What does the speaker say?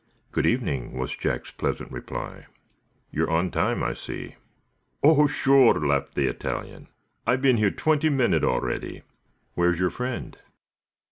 "Good evening," was Jack's pleasant reply. "You're on time, I see." "Oh, sure!" laughed the Italian. "I been here twenty minute, already." "Where's your friend?"